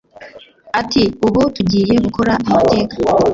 Ati “Ubu tugiye gukora amateka